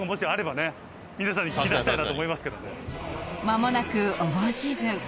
まもなくお盆シーズン